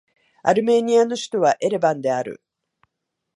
アルメニアの首都はエレバンである